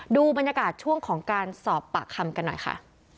ดูบรรยากาศช่วงของการสอบปากคำกันหน่อยค่ะ